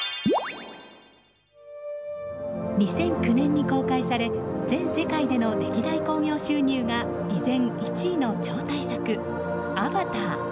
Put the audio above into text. ２００９年に公開され全世界での歴代興行収入が依然１位の超大作「アバター」。